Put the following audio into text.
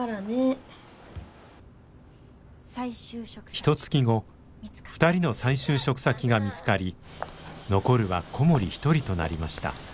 ひとつき後２人の再就職先が見つかり残るは小森一人となりました。